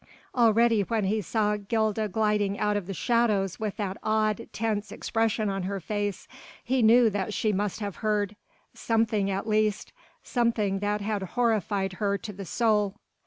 Already when he saw Gilda gliding out of the shadows with that awed, tense expression on her face, he knew that she must have heard ... something at least ... something that had horrified her to the soul.